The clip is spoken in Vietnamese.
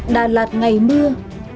đà lạt ngày mưa